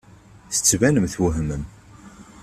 Tettbanem twehmem.